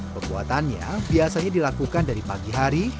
pembuatannya biasanya dilakukan dari pagi hari